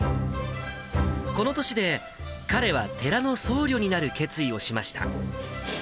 この年で、彼は寺の僧侶になる決意をしました。